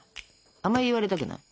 あんまり言われたくない？